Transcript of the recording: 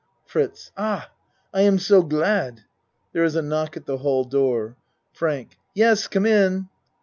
FRITZ Ah I am so glad. ( There is a knock at the hall door.) FRANK Yes, come in.